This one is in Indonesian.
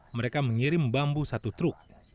mereka mengirim bambu satu truk